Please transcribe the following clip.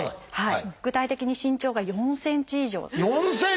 具体的に身長が４ｃｍ以上４ｃｍ！？